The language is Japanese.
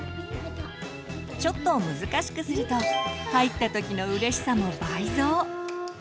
ちょっと難しくすると入った時のうれしさも倍増！